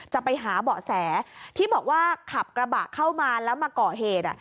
จะไปหาเบาะแสที่บอกว่าขับกระบะเข้ามาแล้วมาก่อเหตุ